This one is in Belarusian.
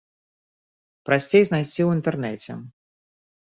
Прасцей знайсці ў інтэрнеце.